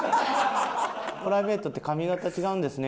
「プライベートって髪形違うんですね。